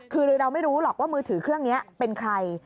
คือเราไม่รู้หรอกว่ามือถือเครื่องนี้เป็นใคร